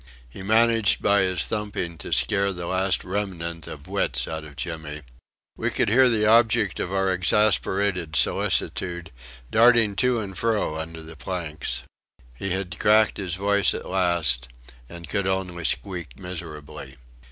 He managed by his thumping to scare the last remnant of wits out of Jimmy. We could hear the object of our exasperated solicitude darting to and fro under the planks. He had cracked his voice at last, and could only squeak miserably.